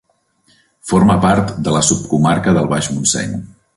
Forma part de la subcomarca del Baix Montseny.